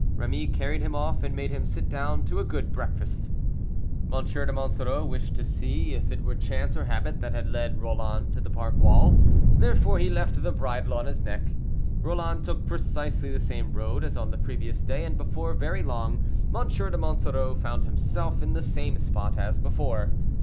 Rémy carried him off, and made him sit down to a good breakfast. M. de Monsoreau wished to see if it were chance or habit that had led Roland to the park wall; therefore he left the bridle on his neck. Roland took precisely the same road as on the previous day, and before very long M. de Monsoreau found himself in the same spot as before.